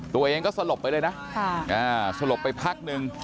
ตัวเองก็สลบไปเลยนะสลบไปพักนึง